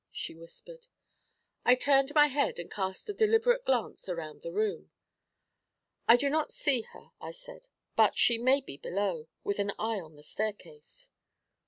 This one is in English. she whispered. I turned my head and cast a deliberate glance around the room. 'I do not see her,' I said; 'but she may be below, with an eye on the staircase.'